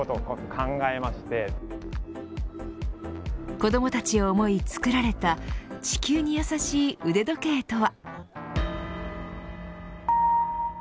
子どもたちを思い、作られた地球にやさしい腕時計とは。